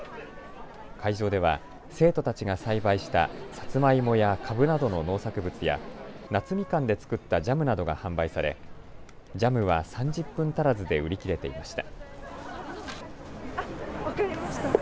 会場では生徒たちが栽培したさつまいもやかぶなどの農作物や夏みかんで作ったジャムなどが販売されジャムは３０分足らずで売り切れていました。